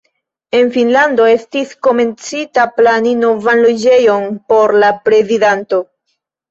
En Finnlando estis komencita plani novan loĝejon por la prezidanto.